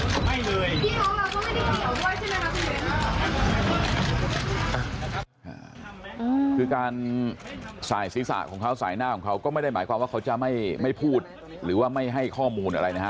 คือการใส่ศีรษะของเขาสายหน้าของเขาก็ไม่ได้หมายความว่าเขาจะไม่พูดหรือว่าไม่ให้ข้อมูลอะไรนะฮะ